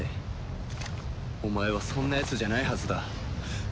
お前はそんなやつじゃないはずだ。